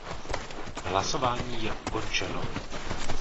Hlasování je ukončeno.